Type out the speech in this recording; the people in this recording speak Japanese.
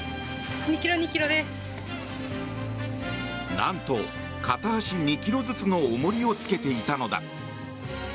なんと、片足２ｋｇずつの重りをつけていたのだ。